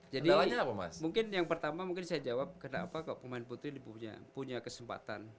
jadi mungkin yang pertama mungkin saya jawab kenapa pemain putri ini punya kesempatan